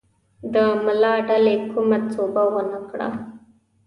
د ملا ډلې کومه سوبه ونه کړه.